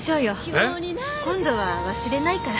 えっ？今度は忘れないから。